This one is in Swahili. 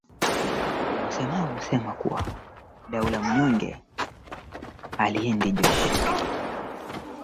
kipindi cha mpito baina ya utawala uliopita na ujao Maeneo ya aina hiyo yanayoongozwa